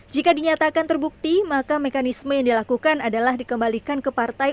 jika dinyatakan terbukti maka mekanisme yang dilakukan adalah dikembalikan ke partai